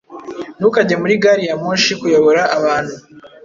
Ntukajye muri gari ya moshi_kuyobora abantu